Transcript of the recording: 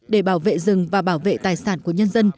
để bảo vệ rừng và bảo vệ tài sản của nhân dân